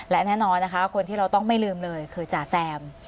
และแน่นอนนะคะคนที่เราต้องไม่ลืมเลยคือจ่าแซม